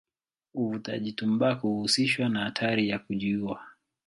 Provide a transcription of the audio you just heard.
Uvutaji tumbaku huhusishwa na hatari ya kujiua.